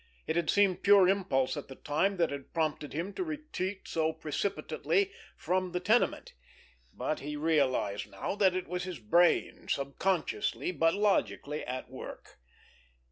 It had seemed pure impulse at the time that had prompted him to retreat so precipitately from the tenement; but he realized now that it was his brain subconsciously, but logically, at work.